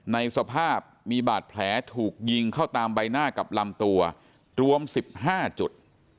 ในสภาพมีบาดแผลถูกยิงเข้าตามใบหน้ากับลำตัวรวม๑๕จุด